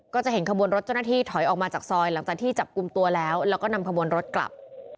จะเห็นขบวนรถเจ้าหน้าที่ถอยออกมาจากซอยหลังจากที่จับกลุ่มตัวแล้วแล้วก็นำขบวนรถกลับ